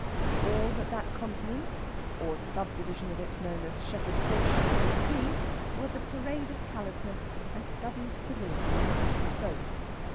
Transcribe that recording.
All that that continent, or the subdivision of it known as Shepherd's Bush, could see was a parade of callousness and studied civility on the part of both.